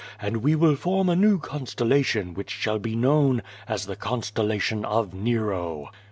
And we will form a new constellation which shall be known as the con stellation of Nero.